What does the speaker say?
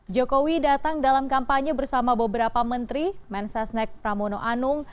jokowi datang dalam kampanye bersama beberapa menteri mensesnek pramono anung